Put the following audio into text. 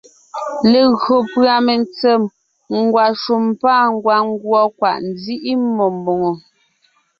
Legÿo pʉ́a mentsèm, ngwàshùm pâ ngwàngùɔ, kwàʼ nzíʼi mmó mbòŋo.